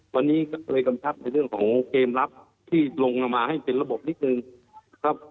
วันนี้ก็เลยกำชับในเรื่องของเกมรับที่ลงลงมาให้เป็นระบบนิดนึงครับ